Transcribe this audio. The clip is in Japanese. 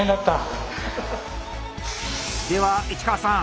では市川さん